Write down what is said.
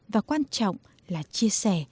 và quan trọng là chia sẻ